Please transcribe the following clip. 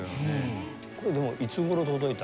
これでもいつ頃届いた？